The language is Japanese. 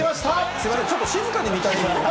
すみません、ちょっと静かに見たいんで。